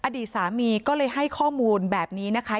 อดีตสามีก็เลยให้ข้อมูลแบบนี้นะคะ